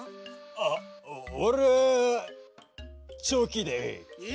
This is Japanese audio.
・あおれはチョキでい。え！？